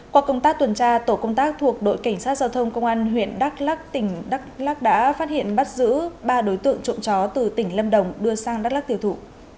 qua công tác tuần tra tổ công tác thuộc đội cảnh sát giao thông công an huyện đắk lắc tỉnh đắk lắc đã phát hiện bắt giữ ba đối tượng trộm chó từ tỉnh lâm đồng đưa sang đắk lắc tiêu thụ